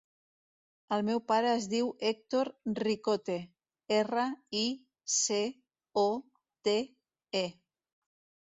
El meu pare es diu Hèctor Ricote: erra, i, ce, o, te, e.